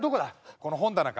この本棚か？